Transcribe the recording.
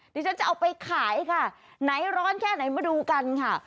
เดี๋ยวจะเอาไปขายค่ะไหนร้อนแค่ไหนมาดูกันค่ะ